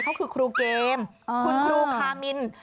เขาคือครูเกมคุณครูคามิน